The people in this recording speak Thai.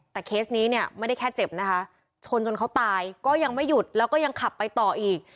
แต่เคสนี้เนี่ยไม่ได้แค่เจ็บนะคะชนจนเขาตายก็ยังไม่หยุดแล้วก็ยังขับไปต่ออีก